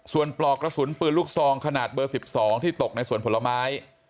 ส่วนปลอกกระสุนปืนลูกซองขนาดเบอร์๑๒ที่ตกในสวนผลไม้